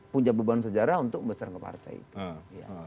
punya beban sejarah untuk membesar ke partai itu